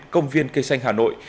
công viên cây xanh hà nội